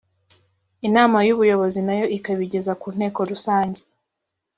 inama y ubuyobozi na yo ikabigeza ku nteko rusange